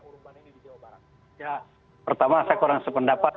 ya pertama saya kurang sependapat